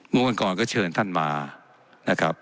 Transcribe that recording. วันก่อนก็เชิญท่านมา